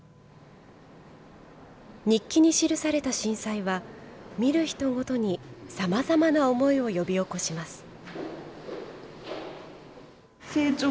日記に記された震災は、見る人ごとにさまざまな思いを呼び起こします。